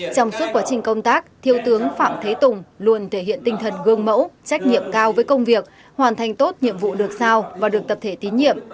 trong suốt quá trình công tác thiếu tướng phạm thế tùng luôn thể hiện tinh thần gương mẫu trách nhiệm cao với công việc hoàn thành tốt nhiệm vụ được sao và được tập thể tín nhiệm